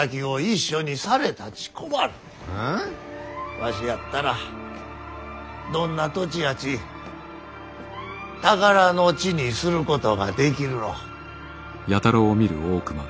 わしやったらどんな土地やち宝の地にすることができるろう。